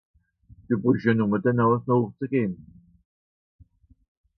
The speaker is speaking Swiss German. Dü brüsch jo nùmme de Nààs nooch ze gehn.